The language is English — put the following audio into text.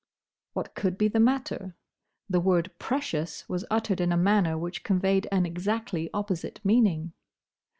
What could be the matter? The word "precious" was uttered in a manner which conveyed an exactly opposite meaning.